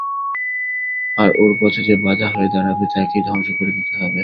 আর ওর পথে যে বাধা হয়ে দাঁড়াবে তাকেই ধ্বংস করে দিতে হবে!